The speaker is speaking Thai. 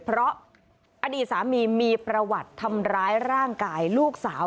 เพราะอดีตสามีมีประวัติทำร้ายร่างกายลูกสาว